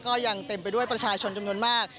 เต็มไปด้วยประชาชนจำนวนมาก